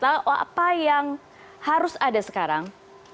lalu apa yang harus ada sekarang